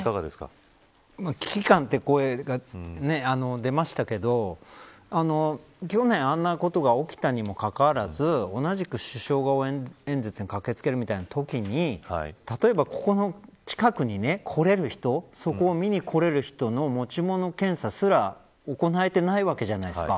危機感という声が出ましたけど去年、あんなことが起きたにもかかわらず同じく首相が応援演説に駆け付けるみたいなときに例えば、ここの近くに来れる人そこを見に来れる人の持ち物検査すら、行えていないわけじゃないですか。